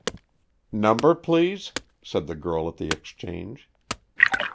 "Number, please?" said the girl at the exchange.